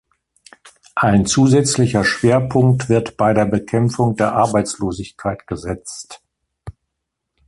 Ein zusätzlicher Schwerpunkt wird bei der Bekämpfung der Arbeitslosigkeit gesetzt.